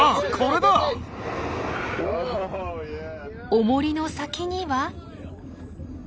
おもりの先には？